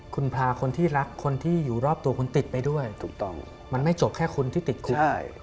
คุณพาคนที่รักคนที่อยู่รอบตัวคุณติดไปด้วยถูกต้องมันไม่จบแค่คนที่ติดคุก